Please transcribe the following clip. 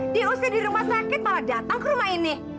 dia usai di rumah sakit malah datang ke rumah ini